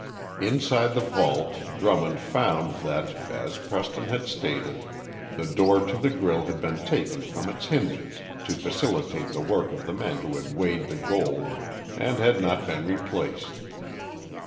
Inside the vault Drummond found that, as Preston had stated, the door to the grille had been taken from its hinges, to facilitate the work of the men who had weighed the gold, and had not been replaced.